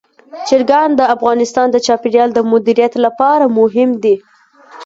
چرګان د افغانستان د چاپیریال د مدیریت لپاره مهم دي.